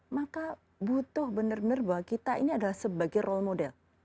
maka butuh benar benar bahwa kita ini adalah sebagai role model